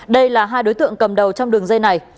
đây là hai đối tượng cầm đầu trong đường dây này